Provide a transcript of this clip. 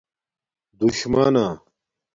دُشمانݳ